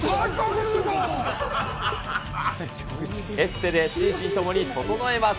エステで心身ともに整えます。